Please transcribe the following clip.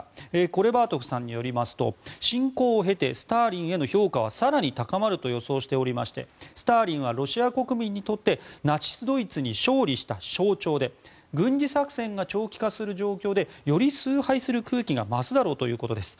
コレバートフさんによりますと侵攻を経てスターリンへの評価は更に高まると予想していましてスターリンはロシア国民にとってナチス・ドイツに勝利した象徴で軍事作戦が長期化する状況でより崇拝する空気が増すだろうということです。